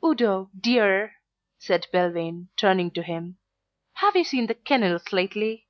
"Udo, dear," said Belvane, turning to him, "have you seen the kennels lately?"